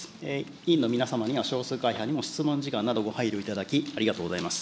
委員の皆様には少数会派にも質問時間などご配慮いただき、ありがとうございます。